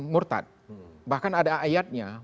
murtad bahkan ada ayatnya